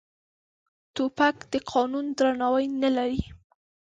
توپک د قانون درناوی نه لري.